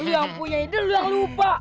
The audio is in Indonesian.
lu yang punya ide lu yang lupa